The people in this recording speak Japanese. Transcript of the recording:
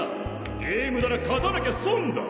ゲームなら勝たなきゃ損だ。